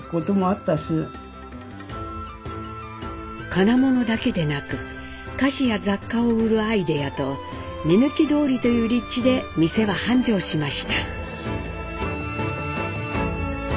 金物だけでなく菓子や雑貨を売るアイデアと目抜き通りという立地で店は繁盛しました。